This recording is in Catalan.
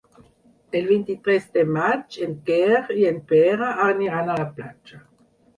El vint-i-tres de maig en Quer i en Pere aniran a la platja.